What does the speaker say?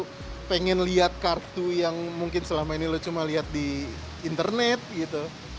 kita bisa lihat kartu pengen lihat kartu yang mungkin selama ini lo cuma lihat di internet gitu